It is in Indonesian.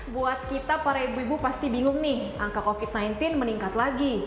buat kita para ibu ibu pasti bingung nih angka covid sembilan belas meningkat lagi